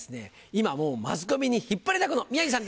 今もうマスコミに引っ張りだこの宮治さんです。